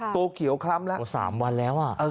ตัวเขียวคล้ำแล้ว๓วันแล้ว